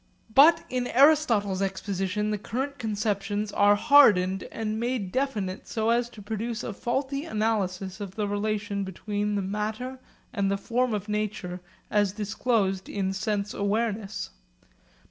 But in Aristotle's exposition the current conceptions were hardened and made definite so as to produce a faulty analysis of the relation between the matter and the form of nature as disclosed in sense awareness.